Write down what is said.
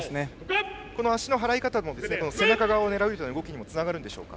足の払い方も背中側を狙う動きにつながるんでしょうか。